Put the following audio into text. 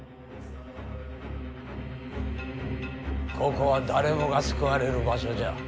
ここは誰もが救われる場所じゃ。